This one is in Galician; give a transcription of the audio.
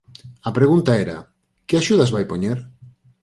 A pregunta era: ¿que axudas vai poñer?